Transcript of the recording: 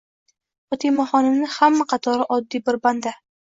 Fotimaxonimni hamma qatori oddiy bir banda